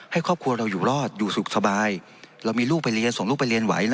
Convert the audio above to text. ให้ครอบครัวเราอยู่รอดอยู่สุขสบายเรามีลูกไปเรียนส่งลูกไปเรียนไหวนะ